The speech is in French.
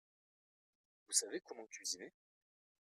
Vous savez comment cuisiner ?